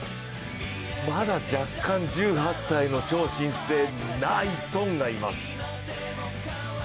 まだ若干１８歳の超新星、ナイトンがいます。